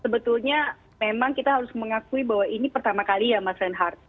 sebetulnya memang kita harus mengakui bahwa ini pertama kali ya mas reinhardt